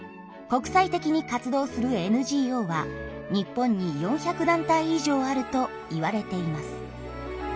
国際的に活動するＮＧＯは日本に４００団体以上あるといわれています。